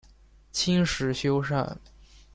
清时修缮。